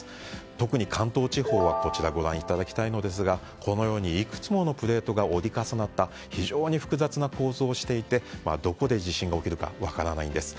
特に関東地方は、こちらをご覧いただきたいのですがいくつものプレートが折り重なった非常に複雑な構造をしていてどこで地震が起きるか分からないんです。